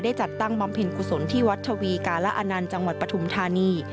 จัดตั้งบำเพ็ญกุศลที่วัดชวีการะอนันต์จังหวัดปฐุมธานี